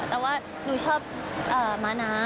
แต่ว่าหนูชอบมะน้ำเขาก็เลยแท็กมาค่ะ